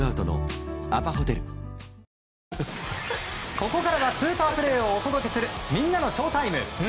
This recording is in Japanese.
ここからはスーパープレーをお届けするみんなのＳＨＯＷＴＩＭＥ！